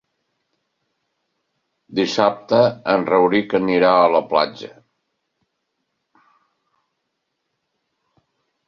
Dissabte en Rauric anirà a la platja.